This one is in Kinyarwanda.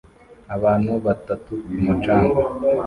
Abantu batatu ku mucanga